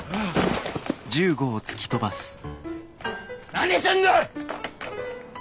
何すんだッ